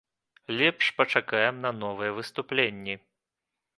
Лепш пачакаем на новыя выступленні.